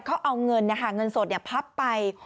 เขาเอาเงินหาเงินสดเนี่ยพับไป